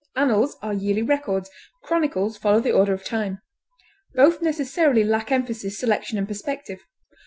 Annals are yearly records; chronicles follow the order of time. Both necessarily lack emphasis, selection, and perspective.